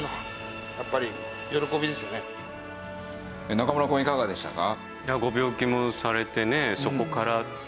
中村くんはいかがでしたか？